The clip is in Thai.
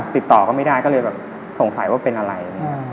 ติดต่อก็ไม่ได้ก็เลยสงสัยว่าเป็นอะไร